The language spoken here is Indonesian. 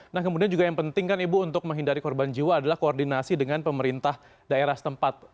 nah kemudian juga yang penting kan ibu untuk menghindari korban jiwa adalah koordinasi dengan pemerintah daerah setempat